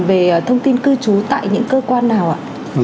về thông tin cư trú tại những cơ quan nào ạ